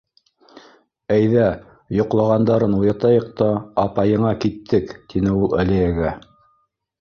— Әйҙә, йоҡлағандарын уятайыҡ та, апайыңа киттек, — тине ул Әлиәгә.